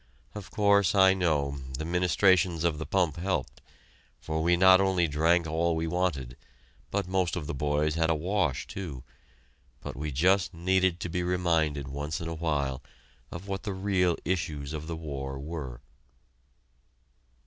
Of course, I know, the ministrations of the pump helped, for we not only drank all we wanted, but most of the boys had a wash, too; but we just needed to be reminded once in awhile of what the real issues of the war were.